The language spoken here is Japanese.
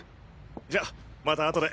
じゃまた後で。